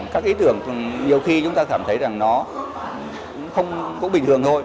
các ý tưởng nhiều khi chúng ta cảm thấy rằng nó cũng không bình thường thôi